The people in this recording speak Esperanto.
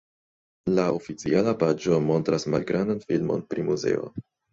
La oficiala paĝo montras malgrandan filmon pri muzeo.